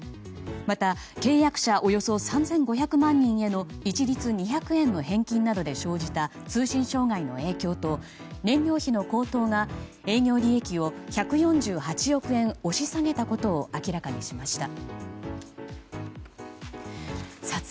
また、契約者およそ３５００万人への一律２００円の返金などで生じた通信障害の影響と燃料費の高騰が営業利益を１４８億円押し下げたことを明らかにしました。